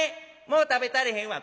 もう食べたれへんわ。